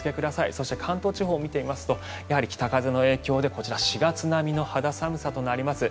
そして関東地方を見てみると北風の影響で４月並みの肌寒さとなります。